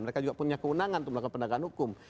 mereka juga punya kewenangan untuk melakukan pendagangan hukum